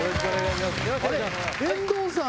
遠藤さん